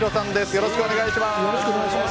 よろしくお願いします。